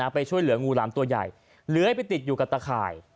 ไปช่วยเหลืองูหลามตัวใหญ่เหลือให้ไปติดอยู่กับตะข่าย